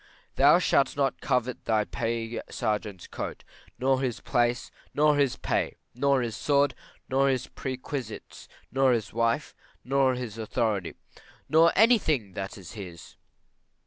Thou shalt not covet thy pay sergeants's coat, nor his place, nor his pay, nor his sword, nor his perquisites, nor his wife, nor his authority, nor any thing that is his.